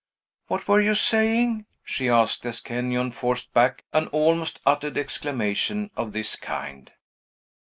"What were you saying?" she asked, as Kenyon forced back an almost uttered exclamation of this kind.